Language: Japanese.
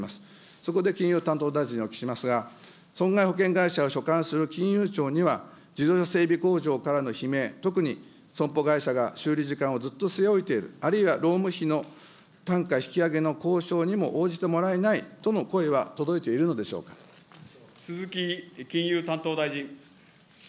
そこで金融担当大臣にお聞きしますが、損害保険会社を所管する金融庁には、自動車整備工場からの悲鳴、特に損保会社が修理時間をずっと据え置いている、あるいは労務費の単価引き上げの交渉にも応じてもらえないとの声は届いて鈴木金融担当大臣。